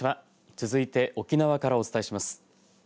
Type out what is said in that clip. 続いて沖縄からお伝えします。